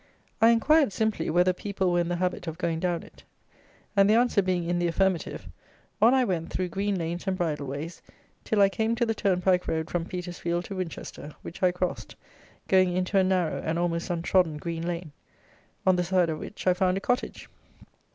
I inquired simply, whether people were in the habit of going down it; and, the answer being in the affirmative, on I went through green lanes and bridle ways till I came to the turnpike road from Petersfield to Winchester, which I crossed, going into a narrow and almost untrodden green lane, on the side of which I found a cottage.